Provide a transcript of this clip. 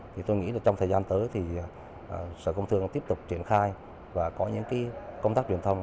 thì tôi nghĩ là trong thời gian tới thì sở công thương tiếp tục triển khai và có những công tác truyền thông